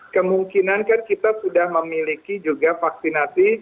kemungkinan kan kita sudah memiliki juga vaksinasi